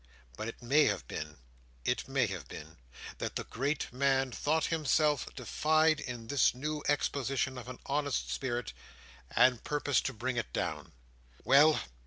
But it may have been—it may have been—that the great man thought himself defied in this new exposition of an honest spirit, and purposed to bring it down. "Well!